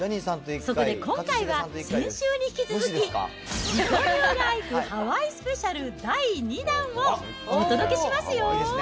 そこで今回は先週に引き続き、自己流ライフ、ハワイスペシャル第２弾をお届けしますよ。